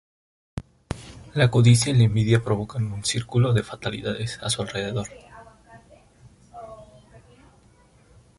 La codicia y la envidia provoca un circo de fatalidades a su alrededor.